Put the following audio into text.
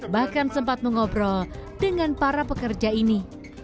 bahkan sempat mengobrol dengan para pekerja ini